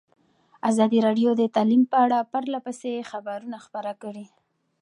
ازادي راډیو د تعلیم په اړه پرله پسې خبرونه خپاره کړي.